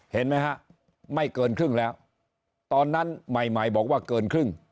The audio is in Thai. เห็นไหมฮะไม่เกินครึ่งแล้วตอนนั้นใหม่ใหม่บอกว่าเกินครึ่ง